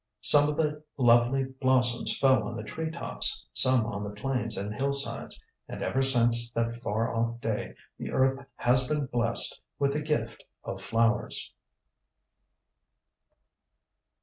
Some of the lovely blossoms fell on the treetops, some on the plains and hillsides, and ever since that far off day the earth has been blessed with the gift of flowers.